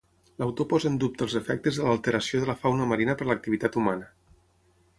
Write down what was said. L'autor posa en dubte els efectes de l'alteració de la fauna marina per l'activitat humana.